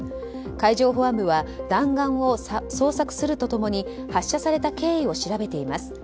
海上保安部は弾丸を捜索すると共に発射された経緯を調べています。